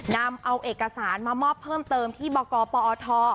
นำเอาเอกสารมามอบเพิ่มเติมที่บกปอท